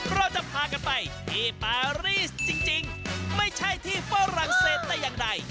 เราจะพากันไปที่ปารีสจริงไม่ใช่ที่ฝรั่งเศสแต่อย่างใด